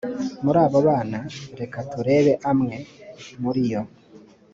muri abo bana reka turebe amwe muri yo